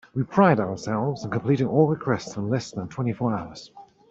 We pride ourselves in completing all requests in less than twenty four hours.